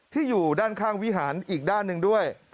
อยู่ด้านข้างวิหารอีกด้านหนึ่งด้วย